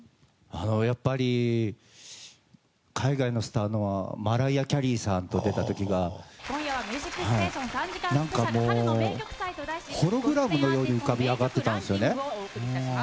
やっぱり、海外のスターのマライア・キャリーさんと出た時が何かもう、ホログラムのように浮かび上がっていたんですよね。